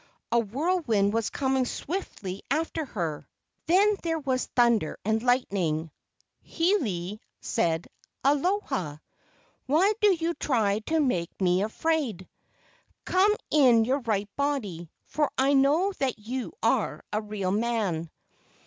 A whirlwind was coming swiftly after her. Then there was thunder and lightning. Hiilei said: "Aloha. Why do you try to make me afraid? Come in your right body, for I know that you are a real man."